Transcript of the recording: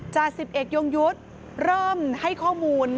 จาก๑๑ยงยุทธ์เริ่มให้ข้อมูล